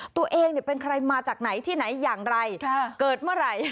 ตัวเองเป็นใครมาจากไหนที่ไหนอย่างไรเกิดเมื่อไหร่